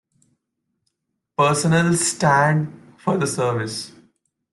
Personnel stand for the service.